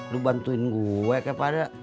lu bantuin gua kepada